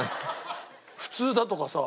「普通だ」とかさ。